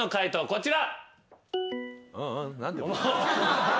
こちら。